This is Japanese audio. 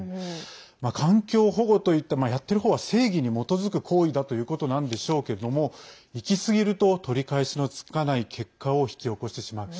環境保護といった、やってる方は正義に基づく行為だということなんでしょうけれどもいきすぎると取り返しのつかない結果を引き起こしてしまう。